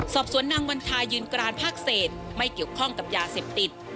สอบสวนนางวันทายืนกรานภาคเศษไม่เกี่ยวข้องกับยาเสพติด